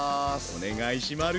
お願いしまる。